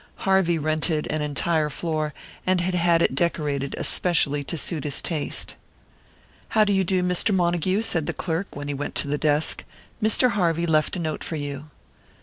Harvey rented an entire floor, and had had it redecorated especially to suit his taste. "How do you do, Mr. Montague?" said the clerk, when he went to the desk. "Mr. Harvey left a note for you."